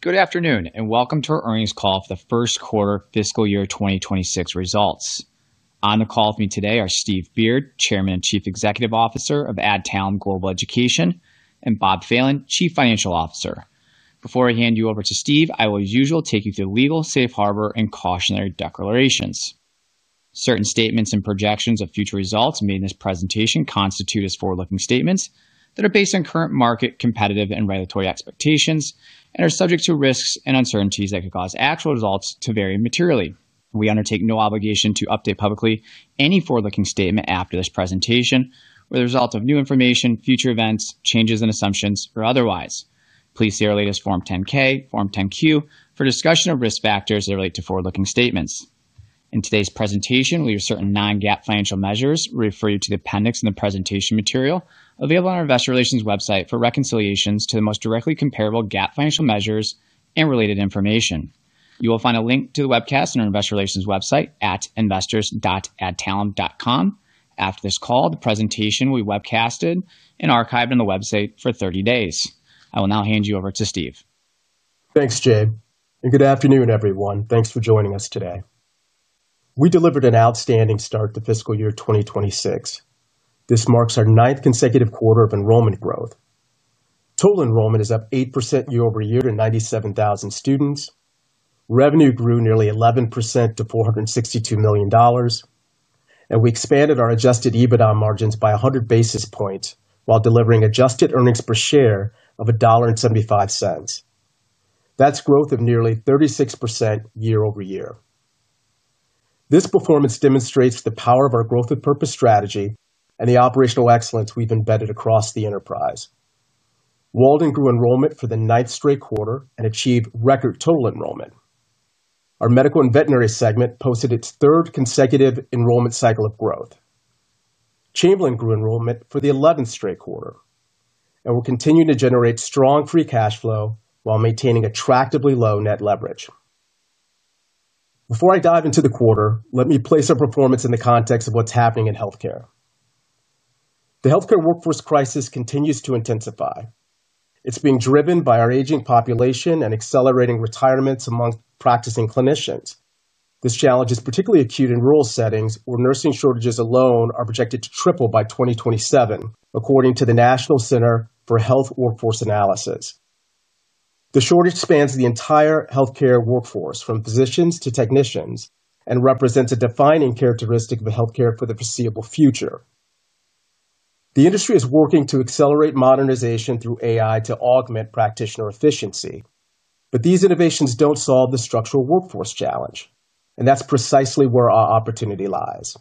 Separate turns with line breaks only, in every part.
Good afternoon, and welcome to our earnings call for the first quarter fiscal year 2026 results. On the call with me today are Steve Beard, Chairman and Chief Executive Officer of Adtalem Global Education, and Bob Phelan, Chief Financial Officer. Before I hand you over to Steve, I will, as usual, take you through legal, safe harbor, and cautionary declarations. Certain statements and projections of future results made in this presentation constitute forward-looking statements that are based on current market, competitive, and regulatory expectations and are subject to risks and uncertainties that could cause actual results to vary materially. We undertake no obligation to update publicly any forward-looking statement after this presentation or the result of new information, future events, changes in assumptions, or otherwise. Please see our latest Form 10-K, Form 10-Q for discussion of risk factors that relate to forward-looking statements. In today's presentation, we will use certain non-GAAP financial measures. We refer you to the appendix in the presentation material available on our Investor Relations website for reconciliations to the most directly comparable GAAP financial measures and related information. You will find a link to the webcast on our Investor Relations website at investors.adtalem.com. After this call, the presentation will be webcast and archived on the website for 30 days. I will now hand you over to Steve.
Thanks, Jay, and good afternoon, everyone. Thanks for joining us today. We delivered an outstanding start to fiscal year 2026. This marks our ninth consecutive quarter of enrollment growth. Total enrollment is up 8% year-over-year to 97,000 students. Revenue grew nearly 11% to $462 million. We expanded our Adjusted EBITDA margins by 100 basis points while delivering adjusted earnings per share of $1.75. That's growth of nearly 36% year-over-year. This performance demonstrates the power of our growth with purpose strategy and the operational excellence we've embedded across the enterprise. Walden grew enrollment for the ninth straight quarter and achieved record total enrollment. Our medical and veterinary segment posted its third consecutive enrollment cycle of growth. Chamberlain grew enrollment for the 11th straight quarter and will continue to generate strong free cash flow while maintaining attractively low net leverage. Before I dive into the quarter, let me place our performance in the context of what's happening in healthcare. The healthcare workforce crisis continues to intensify. It's being driven by our aging population and accelerating retirements among practicing clinicians. This challenge is particularly acute in rural settings where nursing shortages alone are projected to triple by 2027, according to the National Center for Health Workforce Analysis. The shortage spans the entire healthcare workforce, from physicians to technicians, and represents a defining characteristic of healthcare for the foreseeable future. The industry is working to accelerate modernization through AI to augment practitioner efficiency, but these innovations don't solve the structural workforce challenge, and that's precisely where our opportunity lies.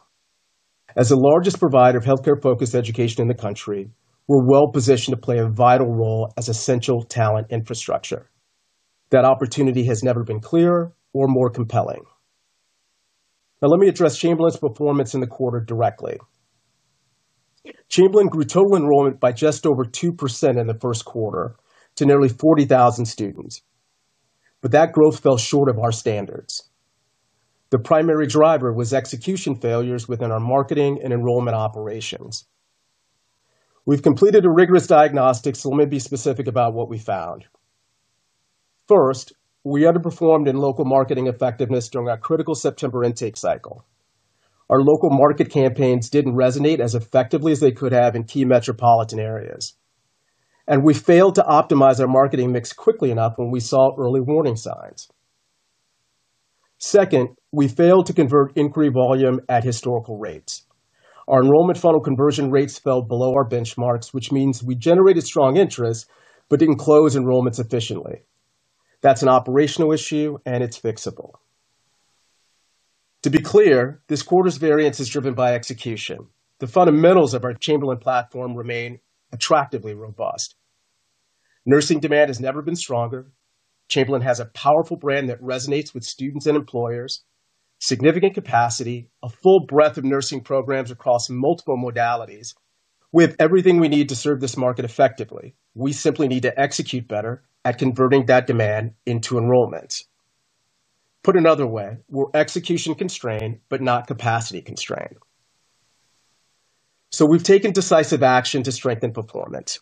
As the largest provider of healthcare-focused education in the country, we're well positioned to play a vital role as essential talent infrastructure. That opportunity has never been clearer or more compelling. Now, let me address Chamberlain's performance in the quarter directly. Chamberlain grew total enrollment by just over 2% in the first quarter to nearly 40,000 students, but that growth fell short of our standards. The primary driver was execution failures within our marketing and enrollment operations. We've completed a rigorous diagnostic, so let me be specific about what we found. First, we underperformed in local marketing effectiveness during our critical September intake cycle. Our local market campaigns didn't resonate as effectively as they could have in key metropolitan areas, and we failed to optimize our marketing mix quickly enough when we saw early warning signs. Second, we failed to convert inquiry volume at historical rates. Our enrollment funnel conversion rates fell below our benchmarks, which means we generated strong interest but didn't close enrollments efficiently. That's an operational issue, and it's fixable. To be clear, this quarter's variance is driven by execution. The fundamentals of our Chamberlain platform remain attractively robust. Nursing demand has never been stronger. Chamberlain has a powerful brand that resonates with students and employers, significant capacity, a full breadth of nursing programs across multiple modalities. We have everything we need to serve this market effectively. We simply need to execute better at converting that demand into enrollments. Put another way, we're execution constrained but not capacity constrained. We have taken decisive action to strengthen performance.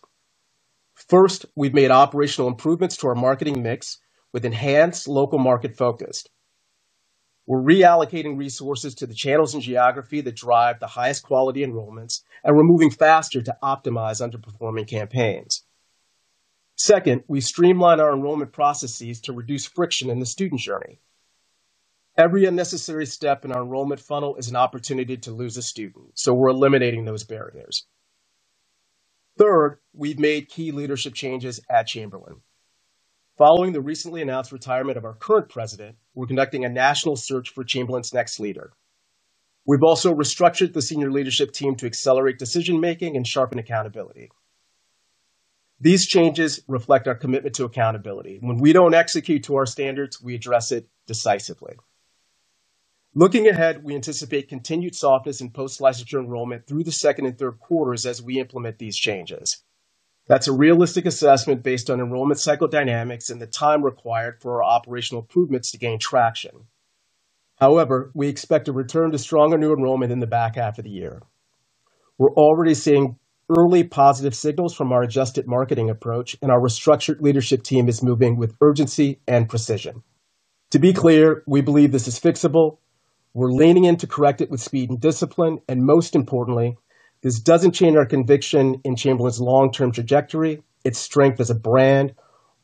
First, we've made operational improvements to our marketing mix with enhanced local market focus. We're reallocating resources to the channels and geography that drive the highest quality enrollments and removing faster to optimize underperforming campaigns. Second, we've streamlined our enrollment processes to reduce friction in the student journey. Every unnecessary step in our enrollment funnel is an opportunity to lose a student, so we're eliminating those barriers. Third, we've made key leadership changes at Chamberlain. Following the recently announced retirement of our current President, we're conducting a national search for Chamberlain's next leader. We've also restructured the Senior Leadership Team to accelerate decision-making and sharpen accountability. These changes reflect our commitment to accountability. When we don't execute to our standards, we address it decisively. Looking ahead, we anticipate continued softness in post-licensure enrollment through the second and third quarters as we implement these changes. That's a realistic assessment based on enrollment cycle dynamics and the time required for our operational improvements to gain traction. However, we expect a return to stronger new enrollment in the back half of the year. We're already seeing early positive signals from our adjusted marketing approach, and our restructured leadership team is moving with urgency and precision. To be clear, we believe this is fixable. We're leaning in to correct it with speed and discipline, and most importantly, this doesn't change our conviction in Chamberlain's long-term trajectory, its strength as a brand,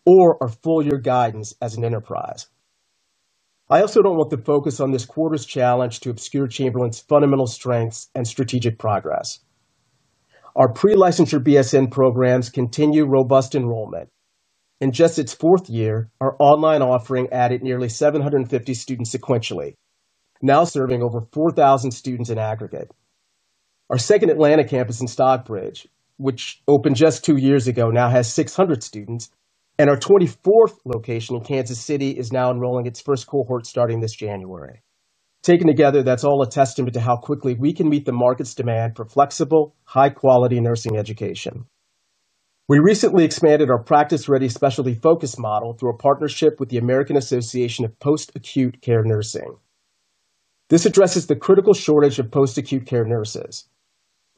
or our full-year guidance as an enterprise. I also don't want to focus on this quarter's challenge to obscure Chamberlain's fundamental strengths and strategic progress. Our pre-licensure BSN programs continue robust enrollment. In just its fourth year, our online offering added nearly 750 students sequentially, now serving over 4,000 students in aggregate. Our second Atlanta campus in Stockbridge, which opened just two years ago, now has 600 students, and our 24th location in Kansas City is now enrolling its first cohort starting this January. Taken together, that's all a testament to how quickly we can meet the market's demand for flexible, high-quality nursing education. We recently expanded our practice-ready specialty-focused model through a partnership with the American Association of Post-Acute Care Nursing. This addresses the critical shortage of post-acute care nurses.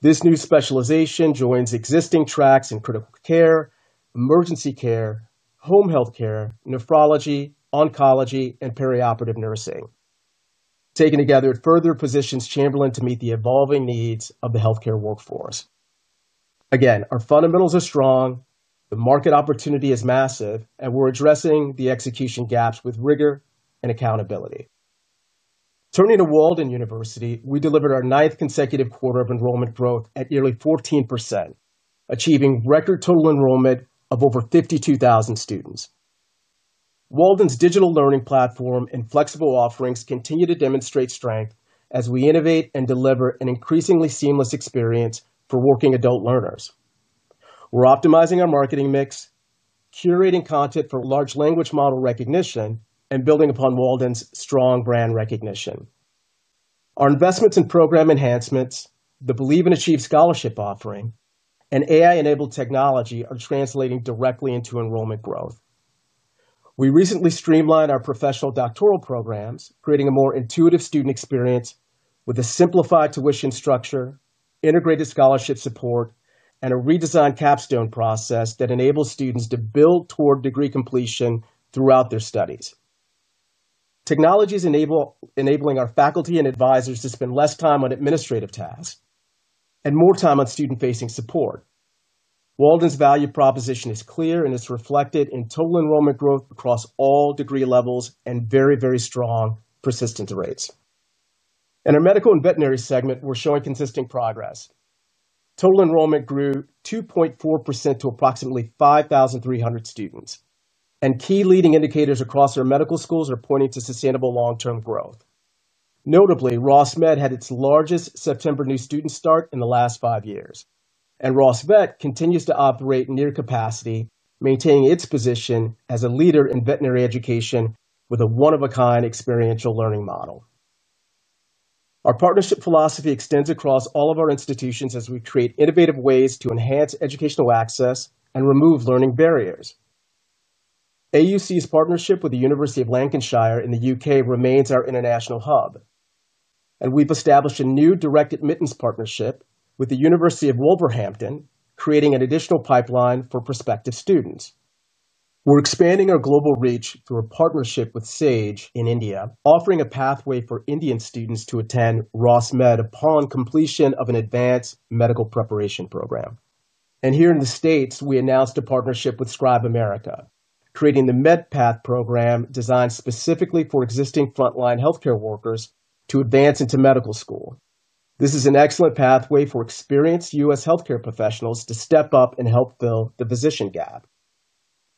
This new specialization joins existing tracks in critical care, emergency care, home healthcare, nephrology, oncology, and perioperative nursing. Taken together, it further positions Chamberlain to meet the evolving needs of the healthcare workforce. Again, our fundamentals are strong, the market opportunity is massive, and we're addressing the execution gaps with rigor and accountability. Turning to Walden University, we delivered our ninth consecutive quarter of enrollment growth at nearly 14%, achieving record total enrollment of over 52,000 students. Walden's digital learning platform and flexible offerings continue to demonstrate strength as we innovate and deliver an increasingly seamless experience for working adult learners. We're optimizing our marketing mix, curating content for large language model recognition, and building upon Walden's strong brand recognition. Our investments in program enhancements, the Believe and Achieve scholarship offering, and AI-enabled technology are translating directly into enrollment growth. We recently streamlined our professional doctoral programs, creating a more intuitive student experience with a simplified tuition structure, integrated scholarship support, and a redesigned capstone process that enables students to build toward degree completion throughout their studies. Technology is enabling our faculty and advisors to spend less time on administrative tasks and more time on student-facing support. Walden's value proposition is clear, and it's reflected in total enrollment growth across all degree levels and very, very strong persistence rates. In our medical and veterinary segment, we're showing consistent progress. Total enrollment grew 2.4% to approximately 5,300 students, and key leading indicators across our medical schools are pointing to sustainable long-term growth. Notably, Ross University School of Medicine had its largest September new student start in the last five years, and Ross University School of Medicine continues to operate near capacity, maintaining its position as a leader in veterinary education with a one-of-a-kind experiential learning model. Our partnership philosophy extends across all of our institutions as we create innovative ways to enhance educational access and remove learning barriers. AUC partnership with the University of Lancashire in the United Kingdom remains our international hub. We have established a new direct admittance partnership with the University of Wolverhampton, creating an additional pipeline for prospective students. We're expanding our global reach through a partnership with SAGE in India, offering a pathway for Indian students to attend Ross Med upon completion of an advanced medical preparation program. Here in the United States, we announced a partnership with ScribeAmerica, creating the MEDPATH program designed specifically for existing frontline healthcare workers to advance into medical school. This is an excellent pathway for experienced U.S. healthcare professionals to step up and help fill the physician gap.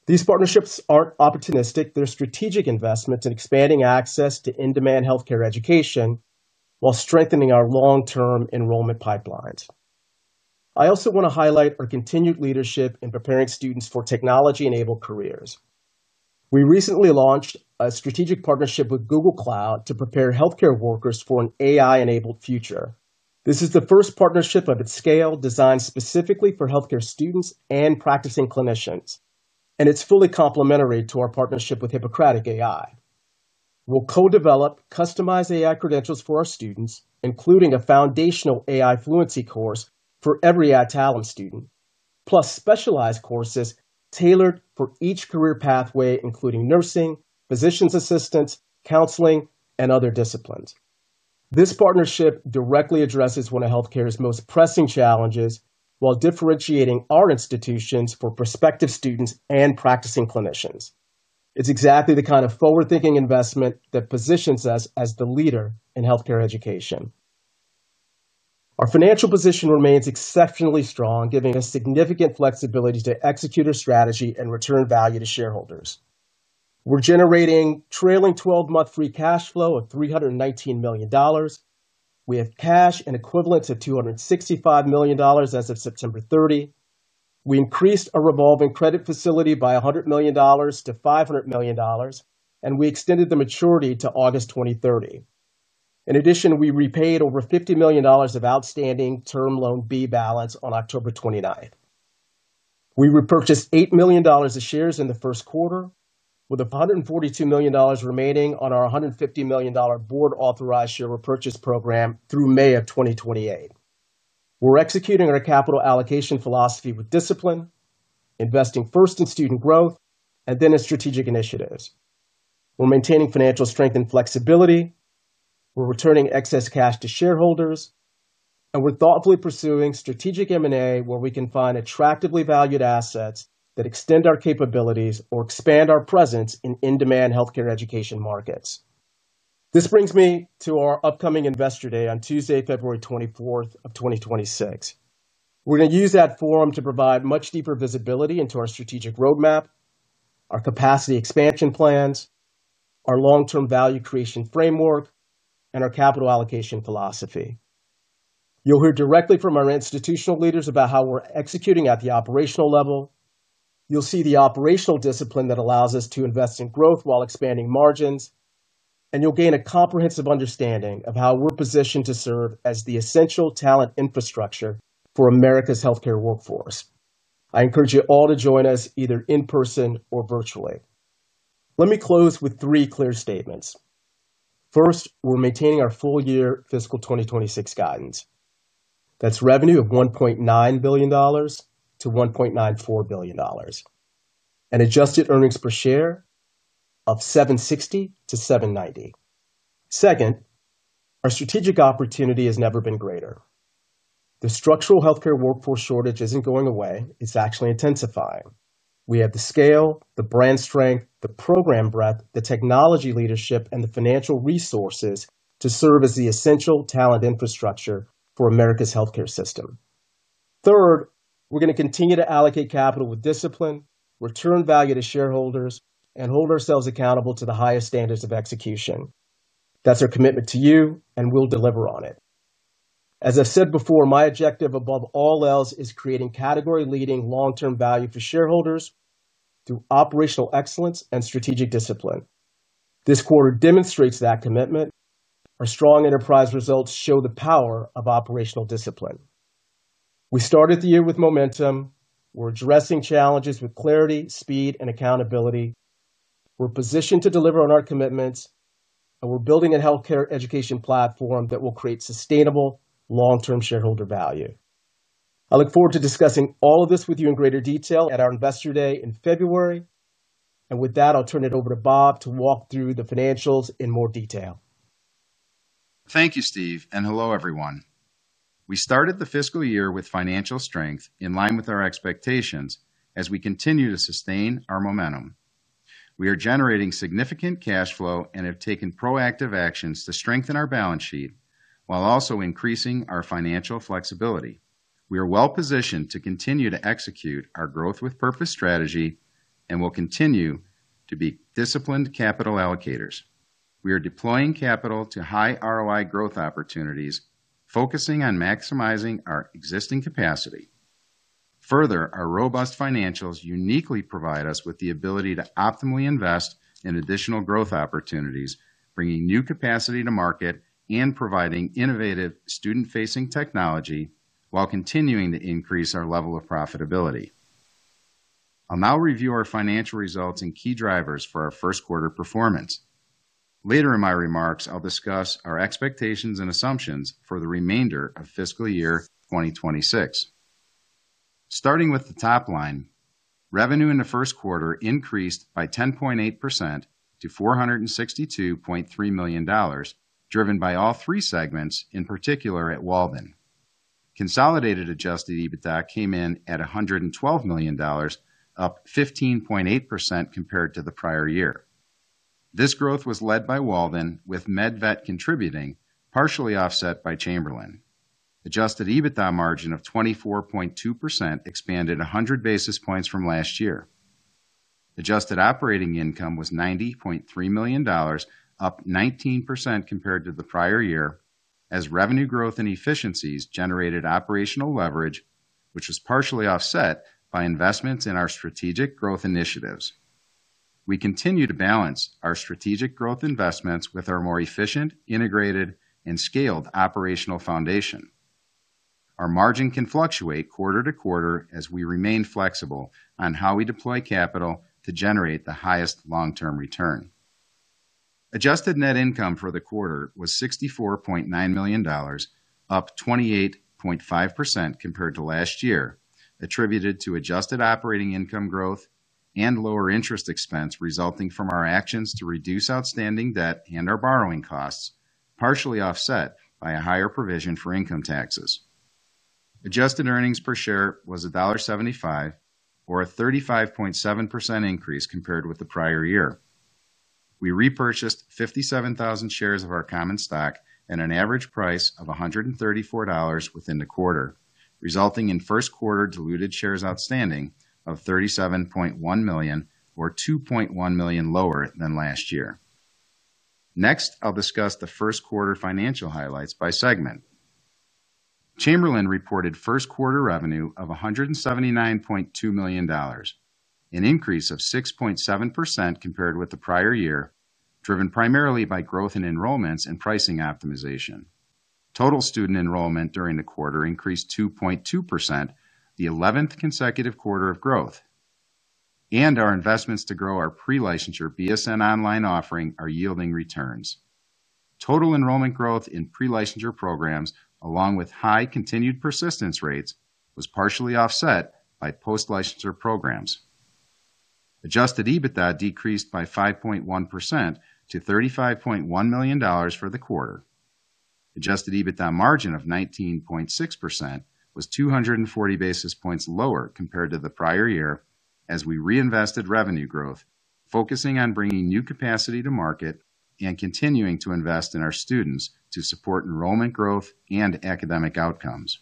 These partnerships aren't opportunistic. They're strategic investments in expanding access to in-demand healthcare education while strengthening our long-term enrollment pipelines. I also want to highlight our continued leadership in preparing students for technology-enabled careers. We recently launched a strategic partnership with Google Cloud to prepare healthcare workers for an AI-enabled future. This is the first partnership of its scale designed specifically for healthcare students and practicing clinicians, and it's fully complementary to our partnership with Hippocratic AI. We'll co-develop customized AI credentials for our students, including a foundational AI fluency course for every Adtalem student, plus specialized courses tailored for each career pathway, including nursing, physician's assistance, counseling, and other disciplines. This partnership directly addresses one of healthcare's most pressing challenges while differentiating our institutions for prospective students and practicing clinicians. It's exactly the kind of forward-thinking investment that positions us as the leader in healthcare education. Our financial position remains exceptionally strong, giving us significant flexibility to execute our strategy and return value to shareholders. We're generating trailing 12-month free cash flow of $319 million. We have cash and equivalents of $265 million as of September 30. We increased our revolving credit facility by $100 million-$500 million, and we extended the maturity to August 2030. In addition, we repaid over $50 million of outstanding term loan B balance on October 29th. We repurchased $8 million of shares in the first quarter, with $142 million remaining on our $150 million board-authorized share repurchase program through May of 2028. We're executing our capital allocation philosophy with discipline, investing first in student growth and then in strategic initiatives. We're maintaining financial strength and flexibility. We're returning excess cash to shareholders, and we're thoughtfully pursuing strategic M&A where we can find attractively valued assets that extend our capabilities or expand our presence in in-demand healthcare education markets. This brings me to our upcoming Investor Day on Tuesday, February 24, 2026. We're going to use that forum to provide much deeper visibility into our strategic roadmap, our capacity expansion plans, our long-term value creation framework, and our capital allocation philosophy. You'll hear directly from our institutional leaders about how we're executing at the operational level. You'll see the operational discipline that allows us to invest in growth while expanding margins, and you'll gain a comprehensive understanding of how we're positioned to serve as the essential talent infrastructure for America's healthcare workforce. I encourage you all to join us either in person or virtually. Let me close with three clear statements. First, we're maintaining our full-year fiscal 2026 guidance. That's revenue of $1.9 billion-$1.94 billion. Adjusted earnings per share of $7.60-$7.90. Second, our strategic opportunity has never been greater. The structural healthcare workforce shortage isn't going away. It's actually intensifying. We have the scale, the brand strength, the program breadth, the technology leadership, and the financial resources to serve as the essential talent infrastructure for America's healthcare system. Third, we're going to continue to allocate capital with discipline, return value to shareholders, and hold ourselves accountable to the highest standards of execution. That's our commitment to you, and we'll deliver on it. As I've said before, my objective above all else is creating category-leading long-term value for shareholders through operational excellence and strategic discipline. This quarter demonstrates that commitment. Our strong enterprise results show the power of operational discipline. We started the year with momentum. We're addressing challenges with clarity, speed, and accountability. We're positioned to deliver on our commitments, and we're building a healthcare education platform that will create sustainable long-term shareholder value. I look forward to discussing all of this with you in greater detail at our Investor Day in February. With that, I'll turn it over to Bob to walk through the financials in more detail.
Thank you, Steve, and hello, everyone. We started the fiscal year with financial strength in line with our expectations as we continue to sustain our momentum. We are generating significant cash flow and have taken proactive actions to strengthen our balance sheet while also increasing our financial flexibility. We are well-positioned to continue to execute our growth with purpose strategy and will continue to be disciplined capital allocators. We are deploying capital to high ROI growth opportunities, focusing on maximizing our existing capacity. Further, our robust financials uniquely provide us with the ability to optimally invest in additional growth opportunities, bringing new capacity to market and providing innovative student-facing technology while continuing to increase our level of profitability. I'll now review our financial results and key drivers for our first quarter performance. Later in my remarks, I'll discuss our expectations and assumptions for the remainder of fiscal year 2026. Starting with the top line, revenue in the first quarter increased by 10.8% to $462.3 million, driven by all three segments, in particular at Walden. Consolidated Adjusted EBITDA came in at $112 million, up 15.8% compared to the prior year. This growth was led by Walden, with MedVet contributing, partially offset by Chamberlain. Adjusted EBITDA margin of 24.2% expanded 100 basis points from last year. Adjusted operating income was $90.3 million, up 19% compared to the prior year, as revenue growth and efficiencies generated operational leverage, which was partially offset by investments in our strategic growth initiatives. We continue to balance our strategic growth investments with our more efficient, integrated, and scaled operational foundation. Our margin can fluctuate quarter to quarter as we remain flexible on how we deploy capital to generate the highest long-term return. Adjusted net income for the quarter was $64.9 million, up 28.5% compared to last year, attributed to adjusted operating income growth and lower interest expense resulting from our actions to reduce outstanding debt and our borrowing costs, partially offset by a higher provision for income taxes. Adjusted earnings per share was $1.75, or a 35.7% increase compared with the prior year. We repurchased 57,000 shares of our common stock at an average price of $134 within the quarter, resulting in first quarter diluted shares outstanding of 37.1 million, or 2.1 million lower than last year. Next, I'll discuss the first quarter financial highlights by segment. Chamberlain reported first quarter revenue of $179.2 million, an increase of 6.7% compared with the prior year, driven primarily by growth in enrollments and pricing optimization. Total student enrollment during the quarter increased 2.2%, the 11th consecutive quarter of growth. Our investments to grow our pre-licensure BSN online offering are yielding returns. Total enrollment growth in pre-licensure programs, along with high continued persistence rates, was partially offset by post-licensure programs. Adjusted EBITDA decreased by 5.1% to $35.1 million for the quarter. Adjusted EBITDA margin of 19.6% was 240 basis points lower compared to the prior year as we reinvested revenue growth, focusing on bringing new capacity to market and continuing to invest in our students to support enrollment growth and academic outcomes.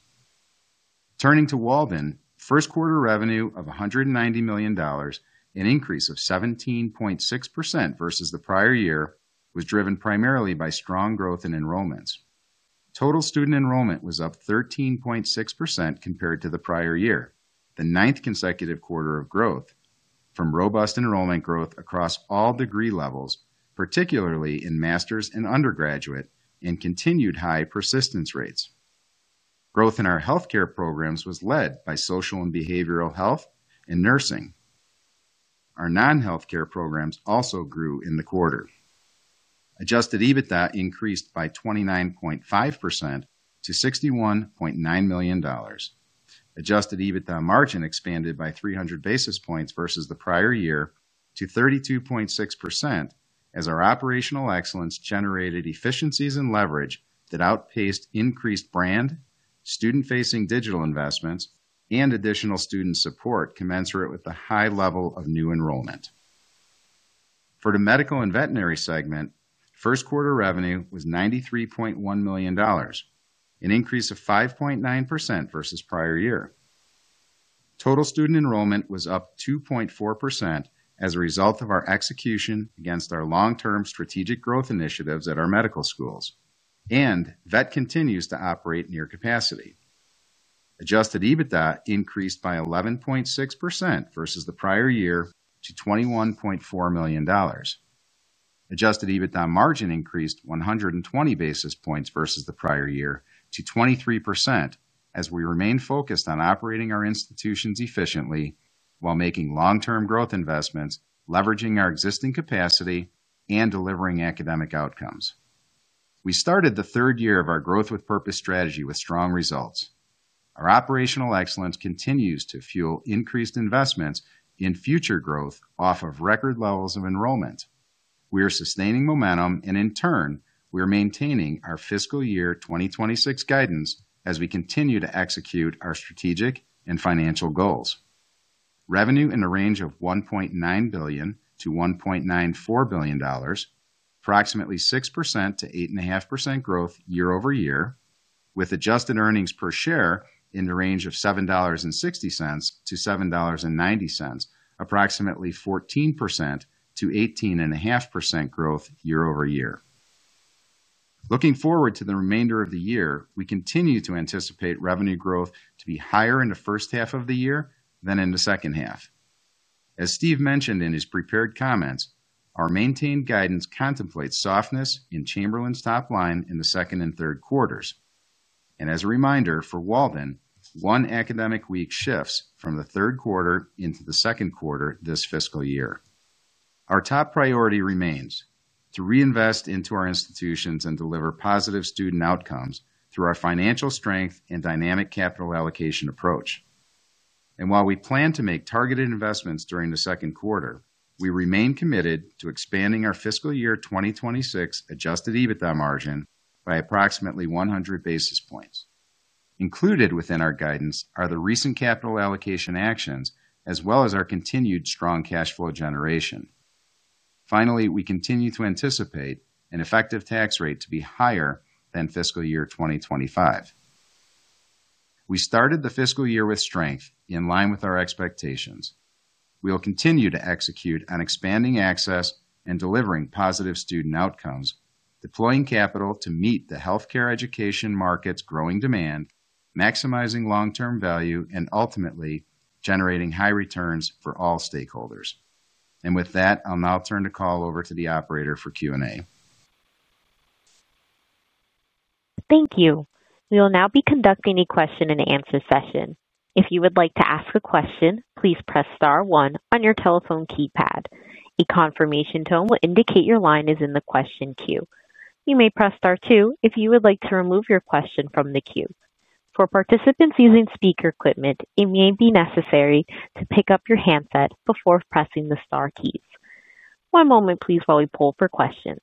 Turning to Walden, first quarter revenue of $190 million, an increase of 17.6% versus the prior year, was driven primarily by strong growth in enrollments. Total student enrollment was up 13.6% compared to the prior year, the ninth consecutive quarter of growth, from robust enrollment growth across all degree levels, particularly in master's and undergraduate, and continued high persistence rates. Growth in our healthcare programs was led by social and behavioral health and nursing. Our non-healthcare programs also grew in the quarter. Adjusted EBITDA increased by 29.5% to $61.9 million. Adjusted EBITDA margin expanded by 300 basis points versus the prior year to 32.6% as our operational excellence generated efficiencies and leverage that outpaced increased brand, student-facing digital investments, and additional student support commensurate with the high level of new enrollment. For the medical and veterinary segment, first quarter revenue was $93.1 million, an increase of 5.9% versus prior year. Total student enrollment was up 2.4% as a result of our execution against our long-term strategic growth initiatives at our medical schools, and Vet continues to operate near capacity. Adjusted EBITDA increased by 11.6% versus the prior year to $21.4 million. Adjusted EBITDA margin increased 120 basis points versus the prior year to 23% as we remain focused on operating our institutions efficiently while making long-term growth investments, leveraging our existing capacity, and delivering academic outcomes. We started the third year of our growth with purpose strategy with strong results. Our operational excellence continues to fuel increased investments in future growth off of record levels of enrollment. We are sustaining momentum, and in turn, we are maintaining our fiscal year 2026 guidance as we continue to execute our strategic and financial goals. Revenue in the range of $1.9 billion-$1.94 billion, approximately 6%-8.5% growth year-over-year, with adjusted earnings per share in the range of $7.6-$7.90, approximately 14% to 18.5% growth year-over-year. Looking forward to the remainder of the year, we continue to anticipate revenue growth to be higher in the first half of the year than in the second half. As Steve mentioned in his prepared comments, our maintained guidance contemplates softness in Chamberlain's top line in the second and third quarters. As a reminder, for Walden, one academic week shifts from the third quarter into the second quarter this fiscal year. Our top priority remains to reinvest into our institutions and deliver positive student outcomes through our financial strength and dynamic capital allocation approach. While we plan to make targeted investments during the second quarter, we remain committed to expanding our fiscal year 2026 Adjusted EBITDA margin by approximately 100 basis points. Included within our guidance are the recent capital allocation actions as well as our continued strong cash flow generation. Finally, we continue to anticipate an effective tax rate to be higher than fiscal year 2025. We started the fiscal year with strength in line with our expectations. We will continue to execute on expanding access and delivering positive student outcomes, deploying capital to meet the healthcare education market's growing demand, maximizing long-term value, and ultimately generating high returns for all stakeholders. I'll now turn the call over to the operator for Q&A.
Thank you. We will now be conducting a question and answer session. If you would like to ask a question, please press star one on your telephone keypad. A confirmation tone will indicate your line is in the question queue. You may press star two if you would like to remove your question from the queue. For participants using speaker equipment, it may be necessary to pick up your handset before pressing the star keys. One moment, please, while we pull for questions.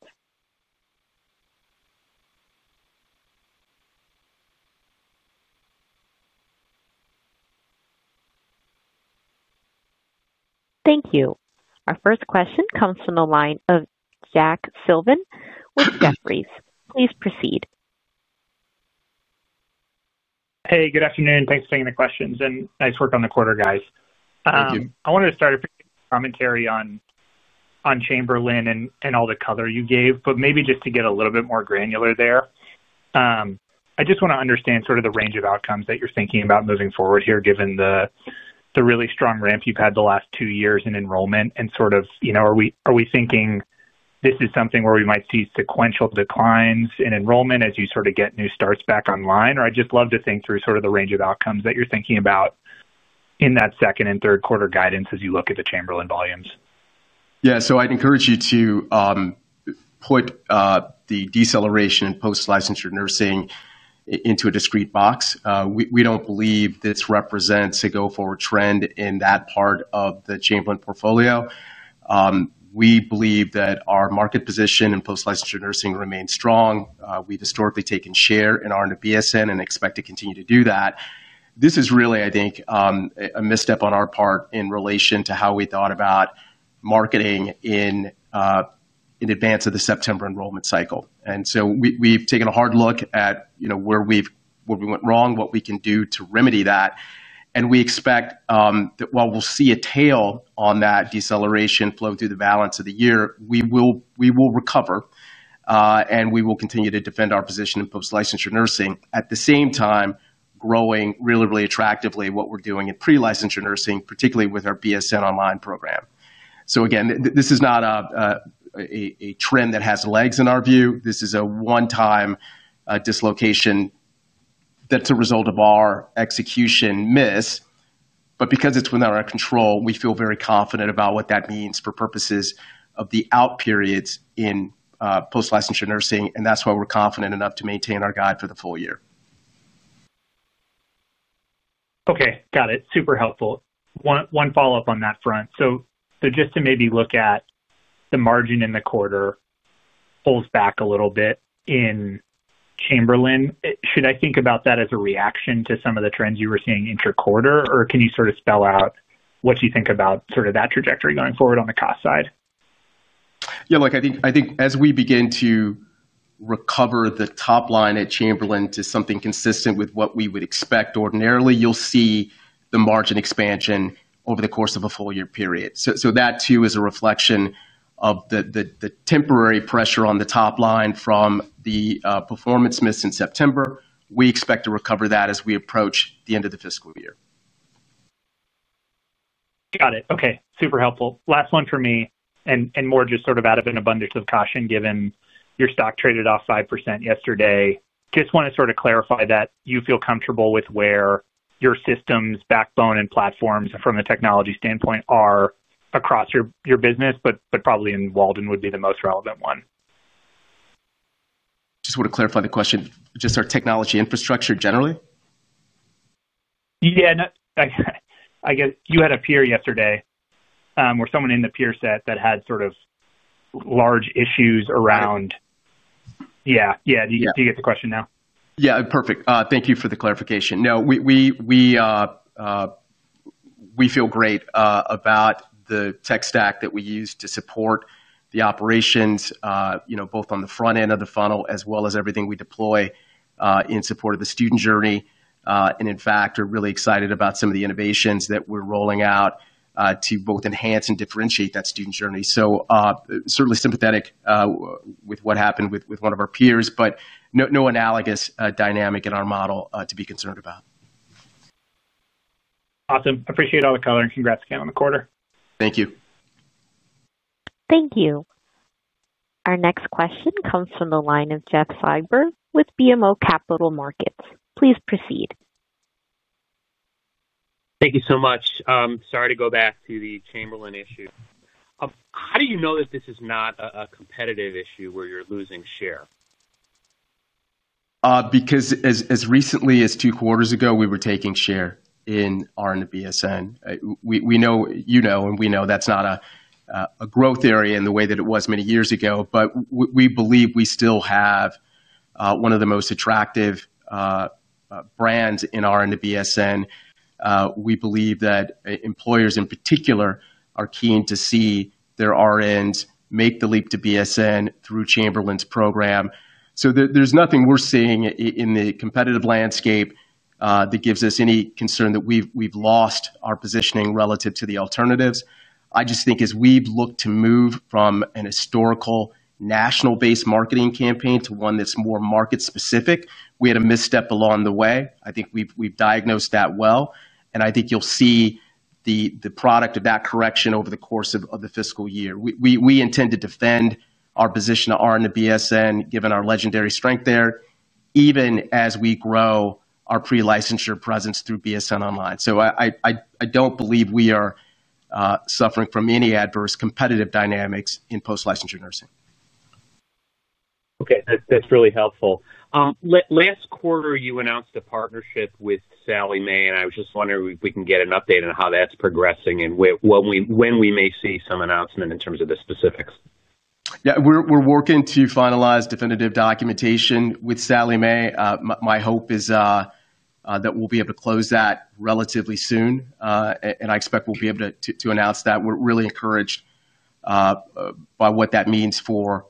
Thank you. Our first question comes from the line of Jack Slevin with Jefferies. Please proceed. Hey, good afternoon.
Thanks for taking the questions and nice work on the quarter, guys. Thank you. I wanted to start a commentary on Chamberlain and all the color you gave, but maybe just to get a little bit more granular there. I just want to understand sort of the range of outcomes that you're thinking about moving forward here, given the really strong ramp you've had the last two years in enrollment and sort of are we thinking this is something where we might see sequential declines in enrollment as you sort of get new starts back online? I'd just love to think through sort of the range of outcomes that you're thinking about in that second and third quarter guidance as you look at the Chamberlain volumes.
Yeah. I'd encourage you to put the deceleration in post-licensure nursing into a discreet box. We don't believe this represents a go-forward trend in that part of the Chamberlain portfolio. We believe that our market position in post-licensure nursing remains strong. We've historically taken share in our BSN and expect to continue to do that. This is really, I think, a misstep on our part in relation to how we thought about marketing in advance of the September enrollment cycle. We've taken a hard look at where we went wrong, what we can do to remedy that. We expect that while we'll see a tail on that deceleration flow through the balance of the year, we will recover. We will continue to defend our position in post-licensure nursing, at the same time growing really, really attractively what we're doing in pre-licensure nursing, particularly with our BSN online program. This is not a trend that has legs in our view. This is a one-time dislocation that's a result of our execution miss. Because it's within our control, we feel very confident about what that means for purposes of the out periods in post-licensure nursing. That's why we're confident enough to maintain our guide for the full year.
Okay. Got it. Super helpful. One follow-up on that front. Just to maybe look at the margin in the quarter. Pulls back a little bit in Chamberlain. Should I think about that as a reaction to some of the trends you were seeing interquarter, or can you sort of spell out what you think about that trajectory going forward on the cost side?
Yeah. I think as we begin to recover the top line at Chamberlain to something consistent with what we would expect ordinarily, you'll see the margin expansion over the course of a full year period. That too is a reflection of the temporary pressure on the top line from the performance miss in September. We expect to recover that as we approach the end of the fiscal year.
Got it. Okay. Super helpful. Last one for me, and more just out of an abundance of caution given your stock traded off 5% yesterday. Just want to clarify that you feel comfortable with where your systems, backbone, and platforms from a technology standpoint are across your business, but probably in Walden would be the most relevant one.
Just want to clarify the question. Just our technology infrastructure generally?
Yeah. I guess you had a peer yesterday or someone in the peer set that had large issues around. Yeah. Do you get the question now?
Yeah. Perfect. Thank you for the clarification. No, we feel great about the tech stack that we use to support the operations, both on the front end of the funnel as well as everything we deploy in support of the student journey. In fact, we're really excited about some of the innovations that we're rolling out to both enhance and differentiate that student journey. Certainly sympathetic with what happened with one of our peers, but no analogous dynamic in our model to be concerned about.
Awesome. Appreciate all the color and congrats again on the quarter.
Thank you.
Thank you. Our next question comes from the line of Jeff Silber with BMO Capital Markets. Please proceed.
Thank you so much. Sorry to go back to the Chamberlain issue. How do you know that this is not a competitive issue where you're losing share?
Because as recently as two quarters ago, we were taking share in RN to BSN. You know, and we know that's not a growth area in the way that it was many years ago, but we believe we still have one of the most attractive brands in RN to BSN. We believe that employers in particular are keen to see their RNs make the leap to BSN through Chamberlain's program. There's nothing we're seeing in the competitive landscape that gives us any concern that we've lost our positioning relative to the alternatives. I just think as we've looked to move from a historical national-based marketing campaign to one that's more market-specific, we had a misstep along the way. I think we've diagnosed that well, and I think you'll see the product of that correction over the course of the fiscal year. We intend to defend our position in RN to BSN, given our legendary strength there, even as we grow our pre-licensure presence through BSN Online. I don't believe we are suffering from any adverse competitive dynamics in post-licensure nursing.
Okay. That's really helpful. Last quarter, you announced a partnership with Sallie Mae, and I was just wondering if we can get an update on how that's progressing and when we may see some announcement in terms of the specifics.
Yeah. We're working to finalize definitive documentation with Sallie Mae. My hope is that we'll be able to close that relatively soon, and I expect we'll be able to announce that. We're really encouraged by what that means for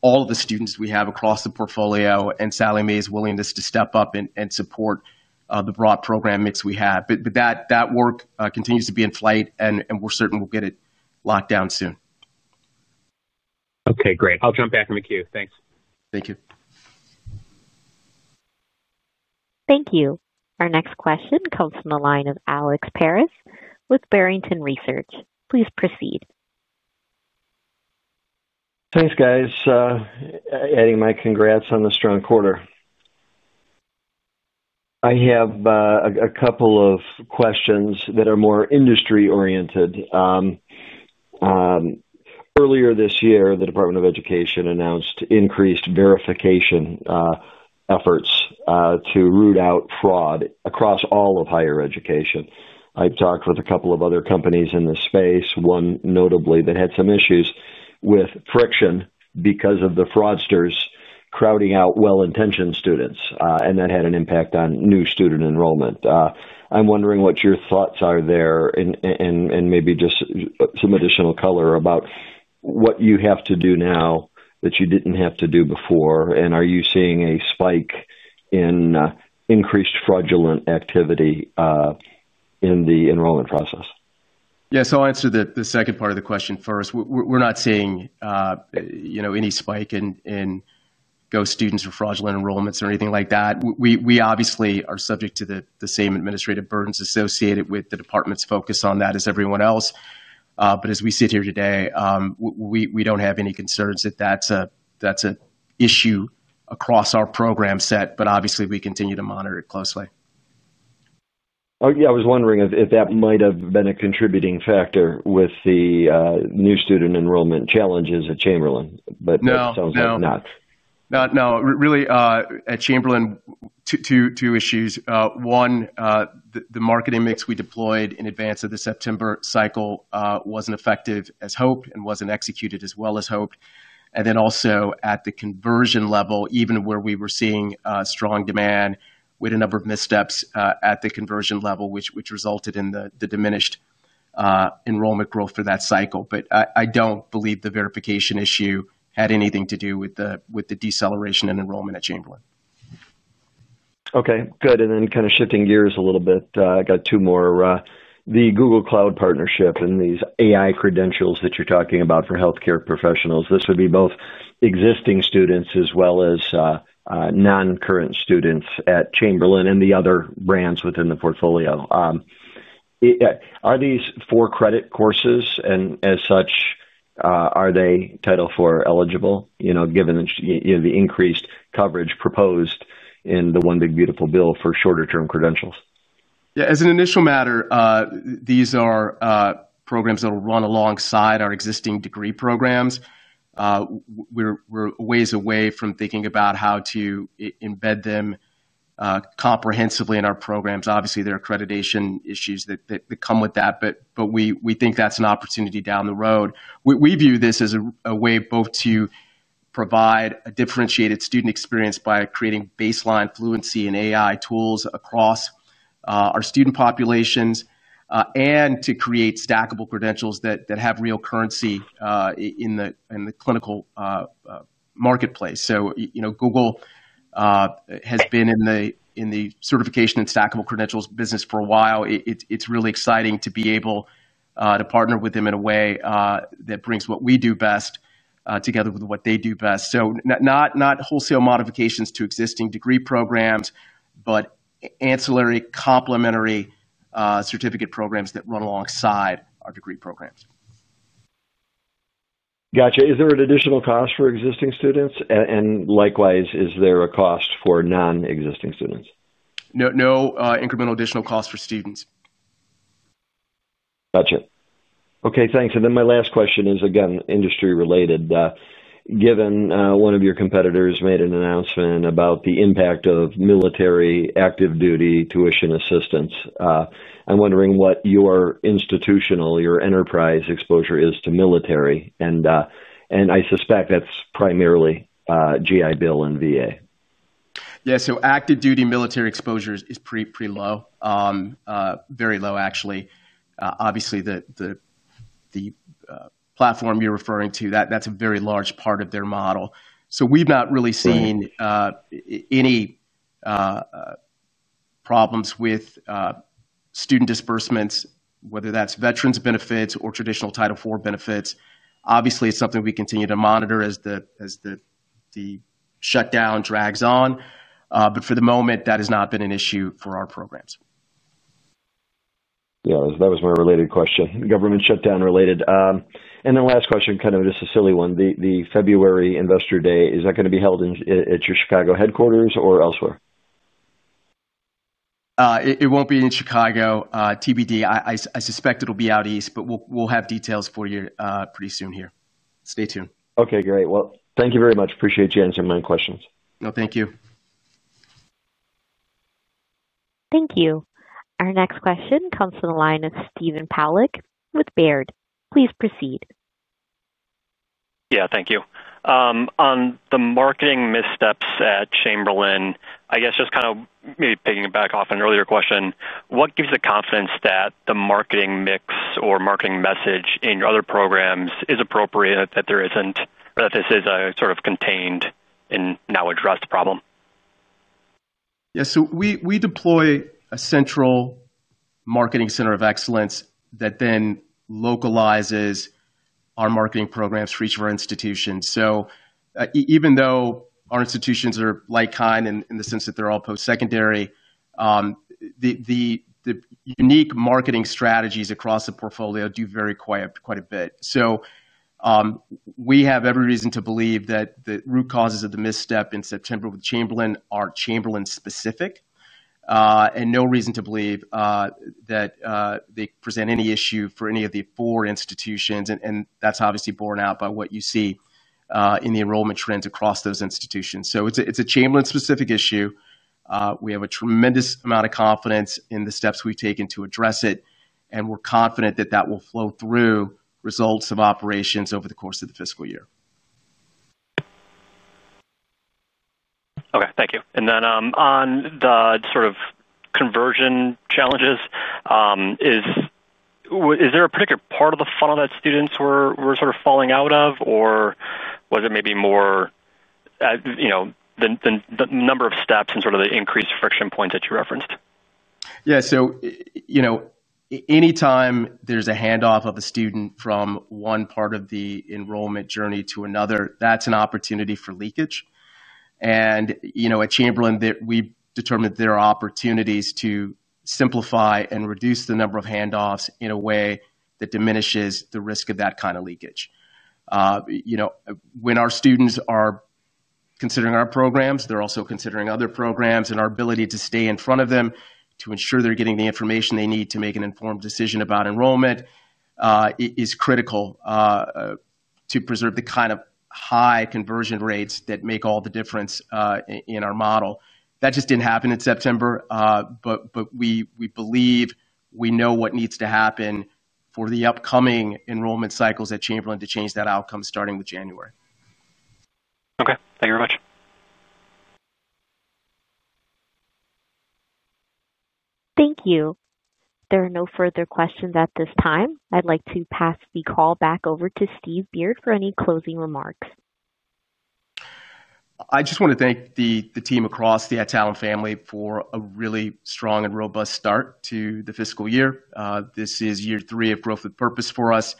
all of the students we have across the portfolio and Sallie Mae's willingness to step up and support the broad program mix we have. But that work continues to be in flight, and we're certain we'll get it locked down soon.
Okay. Great. I'll jump back in the queue. Thanks.
Thank you.
Thank you. Our next question comes from the line of Alex Paris with Barrington Research. Please proceed.
Thanks, guys. Adding my congrats on the strong quarter. I have a couple of questions that are more industry-oriented. Earlier this year, the Department of Education announced increased verification efforts to root out fraud across all of higher education. I've talked with a couple of other companies in this space, one notably that had some issues with friction because of the fraudsters crowding out well-intentioned students, and that had an impact on new student enrollment. I'm wondering what your thoughts are there and maybe just some additional color about what you have to do now that you didn't have to do before. Are you seeing a spike in increased fraudulent activity in the enrollment process?
Yeah. I'll answer the second part of the question first. We're not seeing any spike in ghost students or fraudulent enrollments or anything like that. We obviously are subject to the same administrative burdens associated with the department's focus on that as everyone else. As we sit here today, we don't have any concerns that that's an issue across our program set, but obviously, we continue to monitor it closely.
I was wondering if that might have been a contributing factor with the new student enrollment challenges at Chamberlain. That sounds like not.
No. No. Really, at Chamberlain, two issues. One, the marketing mix we deployed in advance of the September cycle wasn't effective as hoped and wasn't executed as well as hoped. Also, at the conversion level, even where we were seeing strong demand, we had a number of missteps at the conversion level, which resulted in the diminished enrollment growth for that cycle. I don't believe the verification issue had anything to do with the deceleration in enrollment at Chamberlain.
Okay. Good. Kind of shifting gears a little bit, I got two more. The Google Cloud partnership and these AI credentials that you're talking about for healthcare professionals, this would be both existing students as well as non-current students at Chamberlain and the other brands within the portfolio. Are these for-credit courses? Are they Title IV eligible, given the increased coverage proposed in the One Big Beautiful Bill for shorter-term credentials?
Yeah. As an initial matter, these are programs that will run alongside our existing degree programs. We're a ways away from thinking about how to embed them comprehensively in our programs. Obviously, there are accreditation issues that come with that, but we think that's an opportunity down the road. We view this as a way both to provide a differentiated student experience by creating baseline fluency in AI tools across our student populations and to create stackable credentials that have real currency in the clinical marketplace. Google has been in the certification and stackable credentials business for a while. It's really exciting to be able to partner with them in a way that brings what we do best together with what they do best. Not wholesale modifications to existing degree programs, but ancillary complementary certificate programs that run alongside our degree programs.
Is there an additional cost for existing students? And likewise, is there a cost for non-existing students?
No incremental additional cost for students.
Thanks. My last question is, again, industry-related. Given one of your competitors made an announcement about the impact of military active duty tuition assistance, I'm wondering what your institutional, your enterprise exposure is to military. I suspect that's primarily GI Bill and VA.
Yeah. Active duty military exposure is pretty low. Very low, actually. Obviously, the platform you're referring to, that's a very large part of their model. We've not really seen any problems with student disbursements, whether that's veterans' benefits or traditional Title IV benefits. Obviously, it's something we continue to monitor as the shutdown drags on. For the moment, that has not been an issue for our programs.
That was my related question. Government shutdown related. Last question, kind of just a silly one. The February Investor Day, is that going to be held at your Chicago headquarters or elsewhere?
It won't be in Chicago, TBD. I suspect it'll be out east, but we'll have details for you pretty soon here. Stay tuned.
Great. Thank you very much. Appreciate you answering my questions. No, thank you.
Thank you. Our next question comes from the line of Stephen Paolicelli with Baird. Please proceed. Y
eah. Thank you. On the marketing missteps at Chamberlain, I guess just kind of maybe picking it back off an earlier question, what gives you the confidence that the marketing mix or marketing message in your other programs is appropriate, that there isn't, or that this is a sort of contained and now addressed problem?
Yeah. We deploy a central marketing center of excellence that then localizes our marketing programs for each of our institutions. Even though our institutions are like kind in the sense that they're all post-secondary, the unique marketing strategies across the portfolio do vary quite a bit. We have every reason to believe that the root causes of the misstep in September with Chamberlain are Chamberlain-specific and no reason to believe that they present any issue for any of the four institutions. That's obviously borne out by what you see in the enrollment trends across those institutions. It's a Chamberlain-specific issue. We have a tremendous amount of confidence in the steps we've taken to address it, and we're confident that that will flow through results of operations over the course of the fiscal year.
Okay. Thank you. On the sort of conversion challenges, is there a particular part of the funnel that students were sort of falling out of, or was it maybe more than the number of steps and sort of the increased friction points that you referenced?
Yeah. Anytime there's a handoff of a student from one part of the enrollment journey to another, that's an opportunity for leakage. At Chamberlain, we determined there are opportunities to simplify and reduce the number of handoffs in a way that diminishes the risk of that kind of leakage. When our students are considering our programs, they're also considering other programs, and our ability to stay in front of them to ensure they're getting the information they need to make an informed decision about enrollment is critical to preserve the kind of high conversion rates that make all the difference in our model. That just didn't happen in September, but we believe we know what needs to happen for the upcoming enrollment cycles at Chamberlain to change that outcome starting with January.
Okay. Thank you very much.
Thank you. There are no further questions at this time. I'd like to pass the call back over to Steve Beard for any closing remarks.
I just want to thank the team across the Adtalem family for a really strong and robust start to the fiscal year. This is year three of growth with purpose for us.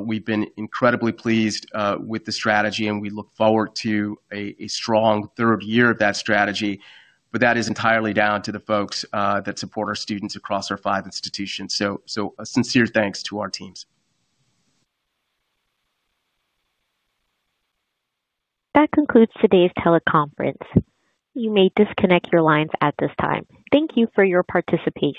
We've been incredibly pleased with the strategy, and we look forward to a strong third year of that strategy. That is entirely down to the folks that support our students across our five institutions. A sincere thanks to our teams.
That concludes today's teleconference. You may disconnect your lines at this time. Thank you for your participation.